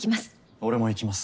俺も行きます。